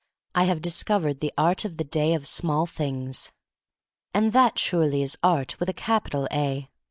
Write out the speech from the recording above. I have discovered the art of the day of small things. And that surely is art with a capital "A."